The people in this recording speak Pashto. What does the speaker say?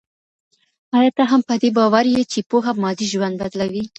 ايا ته هم په دې باور يې چي پوهه مادي ژوند بدلوي؟